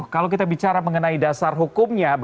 kalau kita bicara mengenai dasar hukumnya